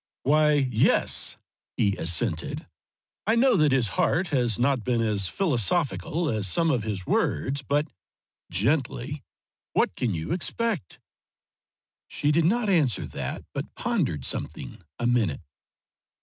"Why, yes," he assented, "I know that his heart has not been as philosophical as some of his words; but" gently "what can you expect?" She did not answer that, but pondered something a minute.